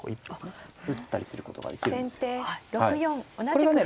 これがね